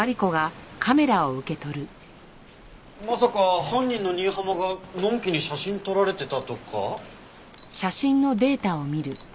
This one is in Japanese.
まさか犯人の新浜がのんきに写真撮られてたとか？